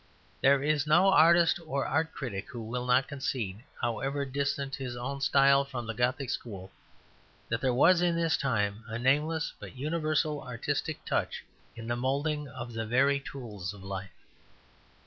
There is no artist or art critic who will not concede, however distant his own style from the Gothic school, that there was in this time a nameless but universal artistic touch in the moulding of the very tools of life.